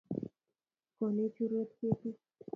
Konech urwet ketii